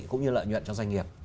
cũng như lợi nhuận cho doanh nghiệp